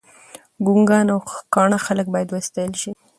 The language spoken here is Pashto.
ګنګان او کاڼه خلګ باید وستایل شي.